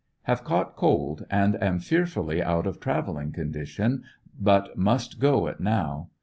Have caught cold and am fearfully out of traveling condition, but must go it now.